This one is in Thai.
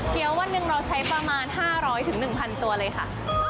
เดี๋ยววันหนึ่งเราใช้ประมาณ๕๐๐๑๐๐ตัวเลยค่ะ